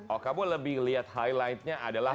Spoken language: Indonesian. oh kamu lebih lihat highlightnya adalah